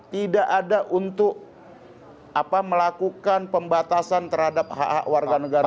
tidak ada untuk melakukan pembatasan terhadap hak hak warga negara